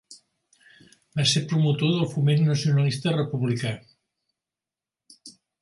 Va ser promotor del Foment Nacionalista Republicà.